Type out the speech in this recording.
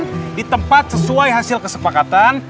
maka disimpan di tempat sesuai hasil kesepakatan